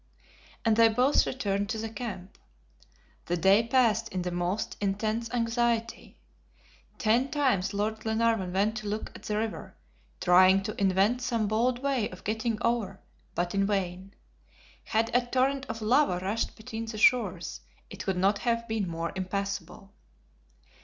And they both returned to the camp. The day passed in the most intense anxiety. Ten times Lord Glenarvan went to look at the river, trying to invent some bold way of getting over; but in vain. Had a torrent of lava rushed between the shores, it could not have been more impassable.